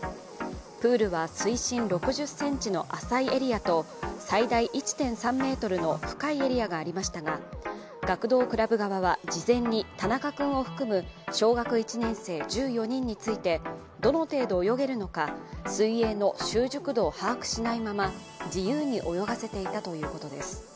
プールは水深６０ｃｍの浅いエリアと最大１．３ｍの深いエリアがありましたが、学童クラブ側は事前に田中君を含む小学１年生１４人についてどの程度泳げるのか水泳の習熟度を把握しないまま自由に泳がせていたということです。